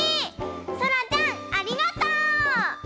そらちゃんありがとう！